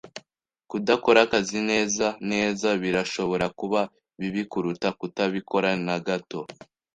Kudakora akazi neza neza birashobora kuba bibi kuruta kutabikora na gato.